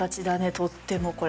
とってもこれ。